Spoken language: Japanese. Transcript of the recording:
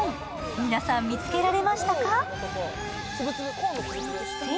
皆さん見つけられましたか？